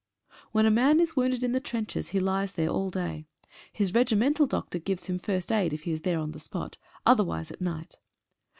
When a man is wounded in the trenches he lies there all day. His regimental doctor gives him first aid if he is there on the spot, otherwise at night.